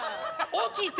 起きて！